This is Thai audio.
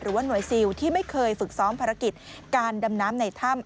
หรือว่าหน่วยซิลที่ไม่เคยฝึกซ้อมภารกิจการดำน้ำในถ้ำ